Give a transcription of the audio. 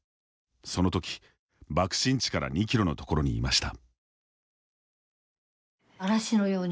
その時、爆心地から２キロの所にいました。